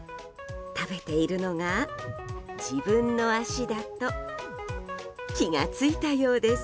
食べているのが自分の足だと気が付いたようです。